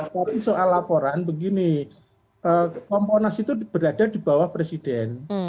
tapi soal laporan begini komponas itu berada di bawah presiden